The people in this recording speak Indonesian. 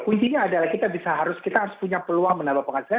kuncinya adalah kita bisa harus kita harus punya peluang menambah penghasilan